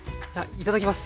いただきます。